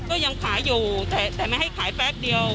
ก็ยังขายอยู่แต่ไม่ให้ขายแป๊บเดียว